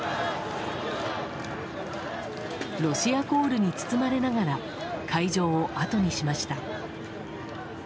ロシアコールに包まれながら会場を後にしました。